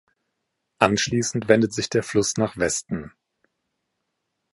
Anschließend wendet sich der Fluss nach Westen.